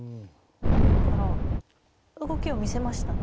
後手から動きを見せましたね。